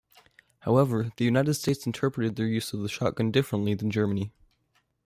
However, the United States interpreted their use of the shotgun differently than Germany.